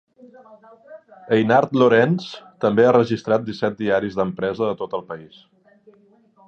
Einhart Lorenz també ha registrat disset diaris d'empresa de tot el país.